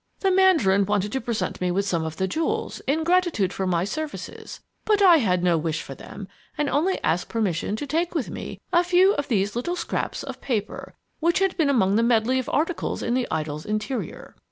The mandarin wanted to present me with some of the jewels, in gratitude for my services, but I had no wish for them and only asked permission to take with me a few of these little scraps of paper, which had been among the medley of articles in the idol's interior.